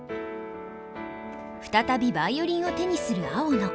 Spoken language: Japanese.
再びヴァイオリンを手にする青野。